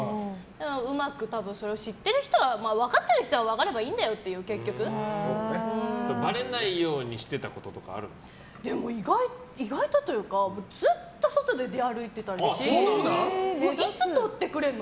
うまく、それを知ってる人分かってる人は分かればいいんだよっていうばれないようにでも意外とというかずっと外で出歩いてたしいつ撮ってくれるの？